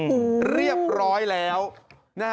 โอ้โหเรียบร้อยแล้วนะฮะ